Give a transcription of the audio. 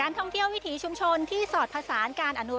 การท่องเที่ยววิถีชุมชนที่สอดภาษาการอนุรักษ์